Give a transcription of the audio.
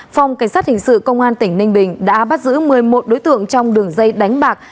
phòng cảnh sát hình sự công an tỉnh ninh bình đã bắt giữ một mươi một đối tượng trong đường dây đánh bạc